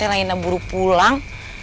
lain aburu pulang